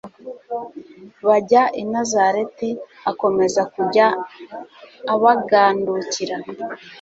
bajya i nazareti akomeza kujya abagandukira